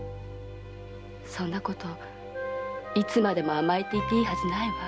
そんなこといつまでも甘えていていいはずないわ。